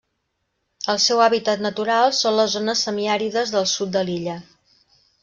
El seu hàbitat natural són les zones semiàrides del sud de l'illa.